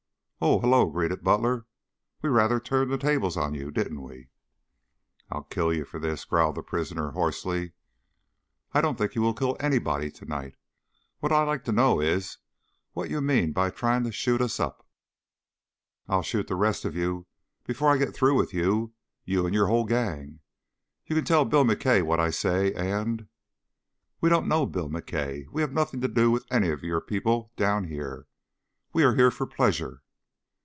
"Oh, hullo!" greeted Butler. "We rather turned the tables on you, didn't we?" "I'll kill you for this!" growled the prisoner hoarsely. "I don't think you will kill anybody to night. What I would like to know is what you mean by trying to shoot us up." "I'll shoot up the rest of you before I get through with you, you and your whole gang. You can tell Bill McKay what I say and " "We don't know Bill McKay. We have nothing to do with any of you people down here. We are here for pleasure."